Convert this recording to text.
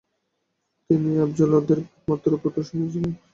তিনি আফজালউদ্দৌলার একমাত্র পুত্র সন্তান ছিলেন।